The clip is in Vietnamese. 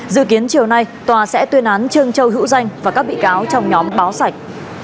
dự kiến chiều nay tòa sẽ tuyên án trương châu hữu danh và các bị cáo trong nhóm báo sạch